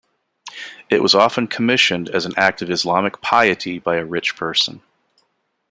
It was often commissioned as an act of Islamic piety by a rich person.